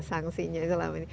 sanksinya selama ini